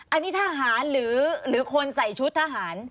อันนี้ทหารหรือคนใส่ชุดทหาร